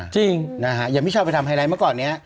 จริงนะฮะอย่างพี่ชาวไปทำไฮไลท์เมื่อก่อนนี้